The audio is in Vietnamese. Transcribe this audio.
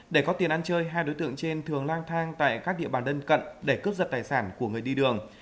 để có tiền ăn chơi hai đối tượng trên thường lang thang tại các địa bàn đơn cận để cướp giật tài sản của người đi đường